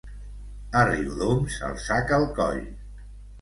A Riudoms, el sac al coll.